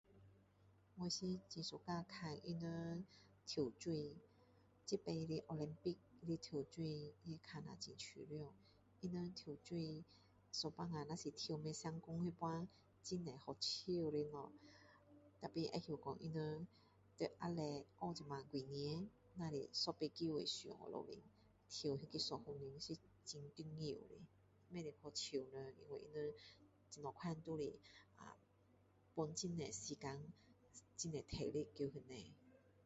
我是很喜欢看他们跳水这次的奥林匹克的跳水看了很爽他们跳水有时候若跳不成功那时很多好笑的事可是会知道说他们在下面学这么几年只是一次机会上去楼上跳那个一分钟是很重要的不可以去笑人因为他们怎么样都是分很多时间很多时间在那边